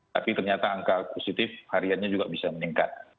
tapi ternyata angka positif hariannya juga bisa meningkat